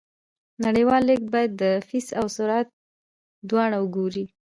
نړیوال لیږد باید د فیس او سرعت دواړه وګوري.